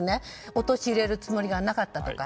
陥れるつもりがなかったとか。